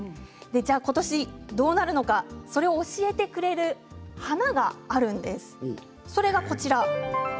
じゃあ、ことしどうなるのかそれを教えてくれる花があるんです。